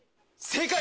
正解！